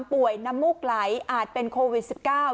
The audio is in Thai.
ป่วยน้้ำมูกไหลอาจเป็นโควิดสิบเก้า